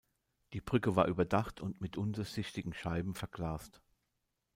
Die Brücke war überdacht und mit undurchsichtigen Scheiben verglast.